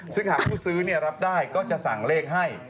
ซึ่งหากผู้ซื้อรับได้ก็จะสั่งเลขให้